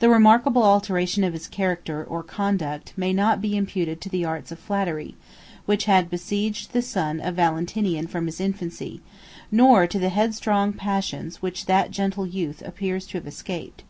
The remarkable alteration of his character or conduct may not be imputed to the arts of flattery, which had besieged the son of Valentinian from his infancy; nor to the headstrong passions which the that gentle youth appears to have escaped.